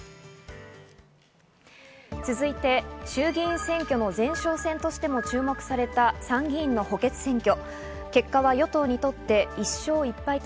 続いて衆議院選挙の前哨戦としても注目された参議院の補欠選挙。